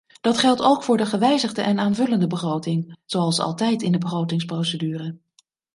Dat geldt ook voor de gewijzigde en aanvullende begroting, zoals altijd in de begrotingsprocedure.